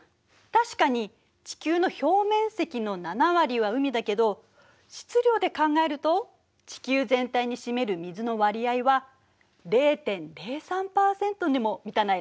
確かに地球の表面積の７割は海だけど質量で考えると地球全体に占める水の割合は０．０３％にも満たないのよ。